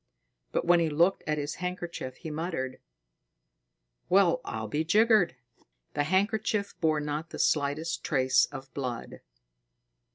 But when he looked at his handkerchief, he muttered: "Well, I'll be jiggered!" The handkerchief bore not the slightest trace of blood.